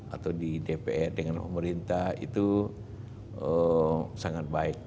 atau di dpr dengan pemerintah itu sangat baik